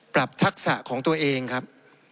ทักษะของตัวเองครับ